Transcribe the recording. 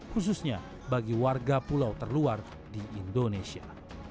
khususnya bagi warga pulau terluar di indonesia